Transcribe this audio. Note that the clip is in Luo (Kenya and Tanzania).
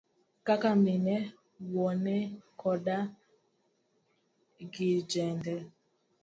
kaka mine, wuone koda kijende.